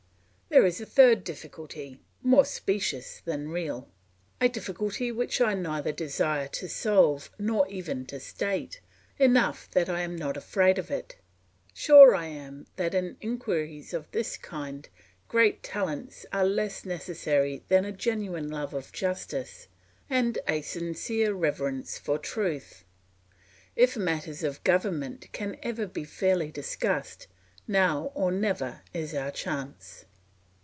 There is a third difficulty, more specious than real; a difficulty which I neither desire to solve nor even to state; enough that I am not afraid of it; sure I am that in inquiries of this kind, great talents are less necessary than a genuine love of justice and a sincere reverence for truth. If matters of government can ever be fairly discussed, now or never is our chance.